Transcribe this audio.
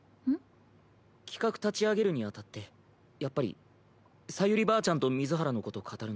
企画立ち上げるにあたってやっぱり小百合ばあちゃんと水原のこと語るのがいちばんいいと思うんだ。